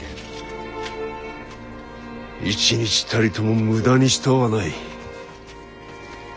一日たりとも無駄にしとうはない。